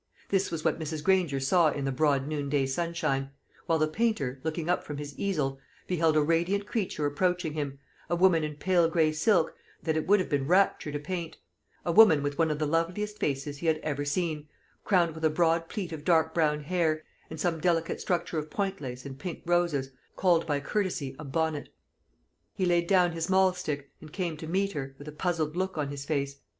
This was what Mrs. Granger saw in the broad noonday sunshine; while the painter, looking up from his easel, beheld a radiant creature approaching him, a woman in pale gray silk, that it would have been rapture to paint; a woman with one of the loveliest faces he had ever seen, crowned with a broad plait of dark brown hair, and some delicate structure of point lace and pink roses, called by courtesy a bonnet. He laid down his mahl stick, and came to meet her, with a puzzled look on his face.